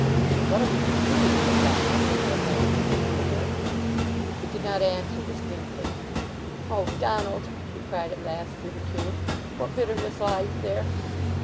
"What are we to do?" said Donald, when he had handed the paper to her. She could not answer distinctly. "O Donald!" she cried at last through her tears, "what bitterness lies there!